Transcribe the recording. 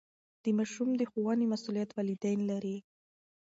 د ماشوم د ښوونې مسئولیت والدین لري.